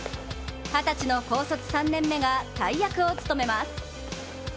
二十歳の高卒３年目が大役を務めます。